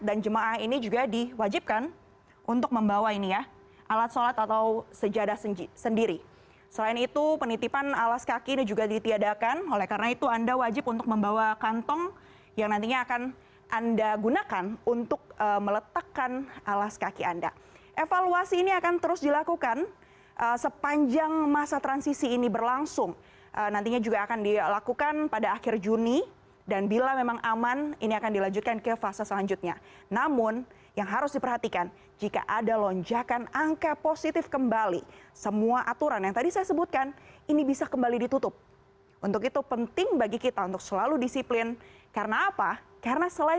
dan jemaah ini juga diwajibkan untuk membawa ini ya untuk kembali ke rumah ibadah